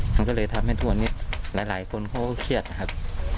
มันก็เลยทำให้ทุกวันนี้หลายคนเขาก็เครียดนะครับ